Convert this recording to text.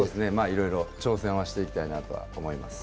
いろいろ挑戦はしていきたいなとは思います。